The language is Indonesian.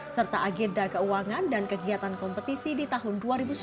serta agenda keuangan dan kegiatan kompetisi di tahun dua ribu sembilan belas